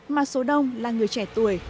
mà số đông là người trẻ tuổi